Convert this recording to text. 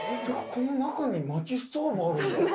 この中に薪ストーブあるんだ。